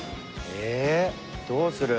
えどうする？